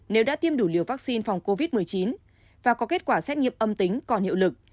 nếu đã tiêm đủ liều vaccine phòng covid một mươi chín và có kết quả xét nghiệm âm tính còn hiệu lực